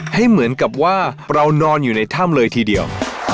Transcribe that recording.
ให้เหมือนกับว่าเรานอนอยู่ในถ้ำเลยทีเดียว